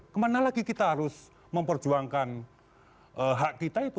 kemana lagi kita harus memperjuangkan hak kita itu